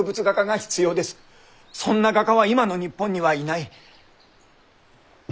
そんな画家は今の日本にはいない。